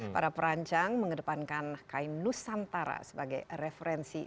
para perancang mengedepankan kain nusantara sebagai referensi